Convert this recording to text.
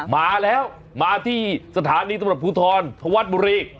มาแล้วมาที่สถานีตำรวจภูทรธวัฒน์บุรี